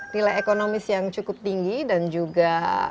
nilai ekonomis yang cukup tinggi dan juga